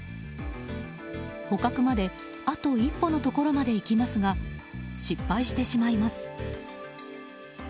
捕獲まであと一歩のところまでいきますが失敗してしまいます。